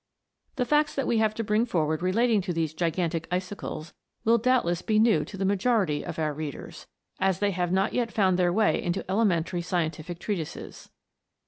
The facts that we have to bring forward relating to these " gigantic icicles" will doubtless be new to the majority of our readers, as they have not yet found their way into elementary scientific treatises.